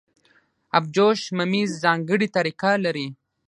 ابجوش ممیز ځانګړې طریقه لري.